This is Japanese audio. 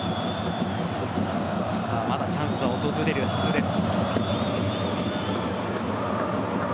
まだチャンスは訪れるはずです。